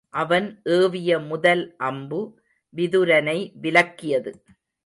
அவன் ஏவிய முதல் அம்பு விதுரனை விலக்கியது.